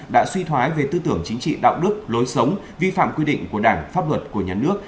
đã suy thoái về tư tưởng chính trị đạo đức lối sống vi phạm quy định của đảng pháp luật của nhà nước